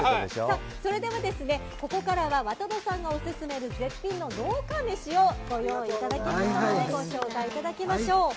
それでは、ここからは渡戸さんのオススメ絶品の農家メシをご用意いただきましたのでご紹介しましょう。